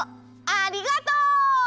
ありがとう！